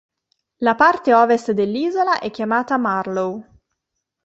La parte ovest dell'isola è chiamata "Marlow".